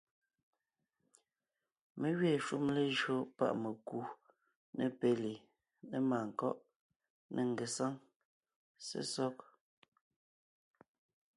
Mé gẅiin shúm lejÿo páʼ mekú , ne péli, ne màankɔ́ʼ, ne ngesáŋ, sesɔg;